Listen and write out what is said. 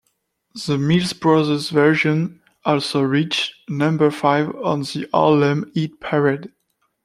The Mills Brothers version also reached number five on the Harlem Hit Parade.